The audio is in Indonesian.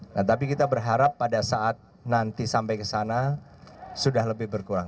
nah tapi kita berharap pada saat nanti sampai ke sana sudah lebih berkurang